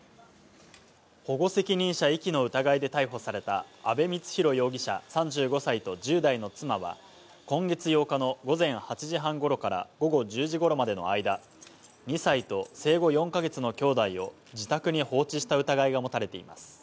保護責任者遺棄の疑いで逮捕された阿部光浩容疑者３５歳と１０代の妻は今月８日の午前８時半頃から午後１０時頃までの間、２歳と生後４ヶ月の兄弟を自宅に放置した疑いが持たれています。